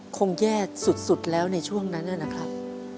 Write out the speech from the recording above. คงแย่สุดแล้วในช่วงนั้นนะครับ